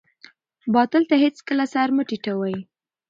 باطل ته هېڅکله سر مه ټیټوئ.